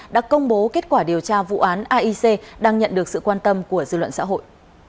đã công bố kết quả điều tra vụ án aic đang nhận được sự quan tâm của dư luận xã hội